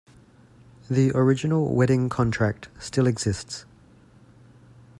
The original wedding contract still exists.